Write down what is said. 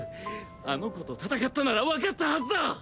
あの子と戦ったならわかったはずだ！